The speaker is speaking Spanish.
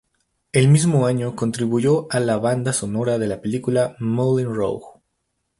El mismo año, contribuyó a la banda sonora de la película "Moulin Rouge"!